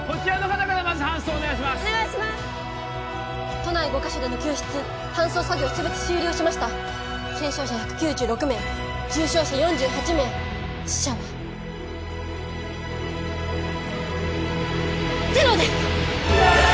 都内５カ所での救出搬送作業全て終了しました軽傷者１９６名重傷者４８名死者はゼロです！